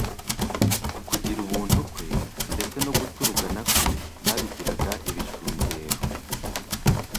Kugira ubuntu kwe, ndetse no guturugana kwe babigiraga ibishurugero.